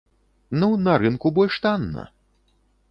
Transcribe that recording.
Ну, на рынку больш танна.